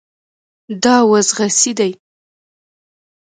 دا وز خسي دی